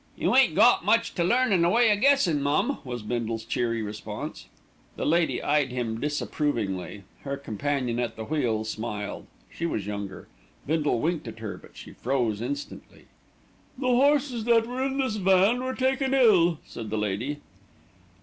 "You ain't got much to learn in the way o' guessing, mum," was Bindle's cheery response. The lady eyed him disapprovingly. Her companion at the wheel smiled. She was younger. Bindle winked at her; but she froze instantly. "The horses that were in this van were taken ill," said the lady.